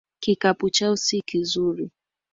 Kikapu chao si kizuri